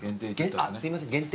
すいません限定